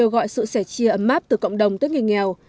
là sự sẻ chia ấm mát từ cộng đồng tới người nghèo